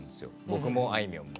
僕もあいみょんも。